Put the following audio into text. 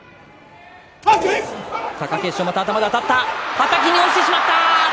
はたきに落ちてしまった。